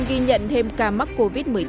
ghi nhận thêm ca mắc covid một mươi chín